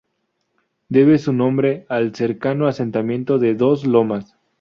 Debe su nombre al cercano asentamiento de Dos Lomas.